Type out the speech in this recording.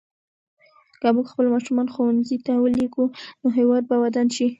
که موږ خپل ماشومان ښوونځي ته ولېږو نو هېواد به ودان شي.